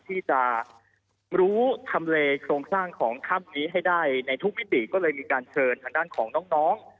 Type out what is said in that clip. ที่จะรู้ทำเลโครงสร้างของถ้ำนี้ให้ได้ในทุกมิติก็เลยมีการเชิญทางด้านของน้อง